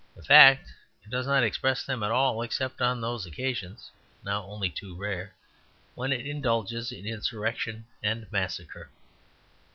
In fact, it does not express them at all, except on those occasions (now only too rare) when it indulges in insurrection and massacre.